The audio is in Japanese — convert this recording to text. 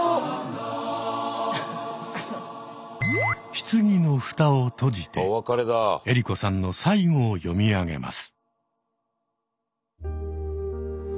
棺のフタを閉じて江里子さんの最期を読み上げます。